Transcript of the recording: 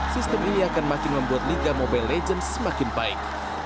sistem ini akan makin membuat liga mobile legends semakin baik